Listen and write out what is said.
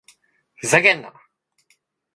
ふざけんな！